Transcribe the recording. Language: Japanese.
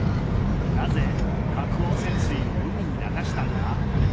なぜ核汚染水を海に流したんだ？